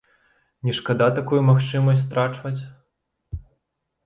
Не шкада такую магчымасць страчваць?